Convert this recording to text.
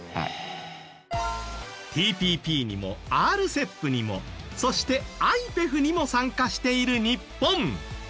ＴＰＰにもＲＣＥＰにもそしてＩＰＥＦにも参加している日本。